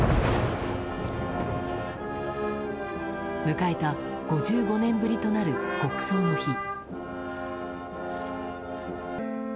迎えた５５年ぶりとなる国葬の日。